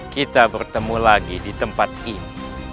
kita bertemu lagi di tempat ini